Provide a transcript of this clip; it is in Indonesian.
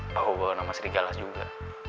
tahu bawa nama serigala juga